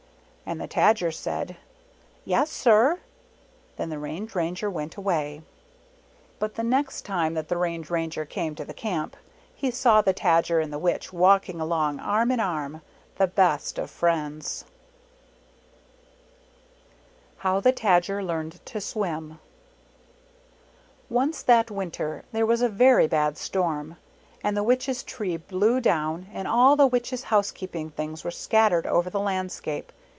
And the Tajer said, "Yes, sir." Then the Range Ranger went away. But the next time that the Range Ranger came to the Camp, he saw the Tajer and the Witch walking along arm in arm, the best of friends. HOW THE TAJAR LEARNED TO SWIM MAHJ 5LHAT OT HOW THE TADGER LEARNED TO SWIM Once that winter there was a very bad storm. And the Witch's tree blew down and all the Witch's housekeeping things were scattered over the landscape.